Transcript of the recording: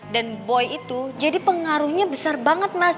dan boy itu jadi pengaruhnya besar banget mas